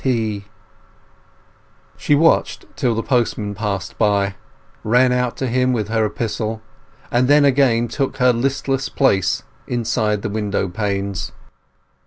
T. She watched till the postman passed by, ran out to him with her epistle, and then again took her listless place inside the window panes.